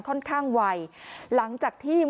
กลุ่มตัวเชียงใหม่